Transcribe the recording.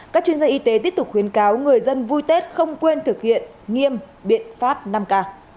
các chuyên gia y tế tiếp tục khuyến cáo người dân vui tết không quên thực hiện nghiêm biện pháp năm k